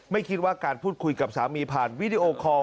ไม่คิดว่าการพูดคุยกับสามีผ่านวิดีโอคอล